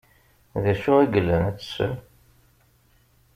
D acu i llan ad tessen?